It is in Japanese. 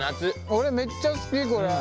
俺めっちゃ好きこれ。